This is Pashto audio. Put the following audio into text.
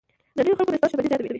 منځنيو خلکو نسبت شتمني زیاته وي.